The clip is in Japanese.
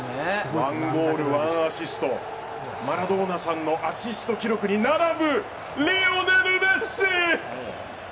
１アシストマラドーナさんのアシスト記録に並ぶリオネル・メッシ！